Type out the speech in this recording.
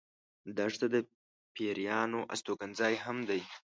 دښته د پېرانو استوګن ځای هم دی.